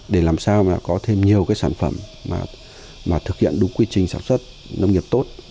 để làm sao mà có thêm nhiều cái sản phẩm mà thực hiện đúng quy trình sản xuất nông nghiệp tốt